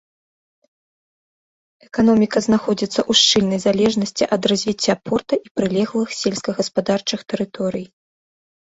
Эканоміка знаходзіцца ў шчыльнай залежнасці ад развіцця порта і прылеглых сельскагаспадарчых тэрыторый.